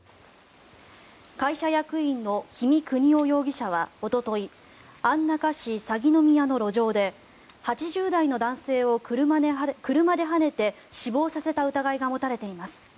会社役員の氷見国雄容疑者はおととい安中市鷺宮の路上で８０代の男性を車ではねて死亡させた疑いが持たれています。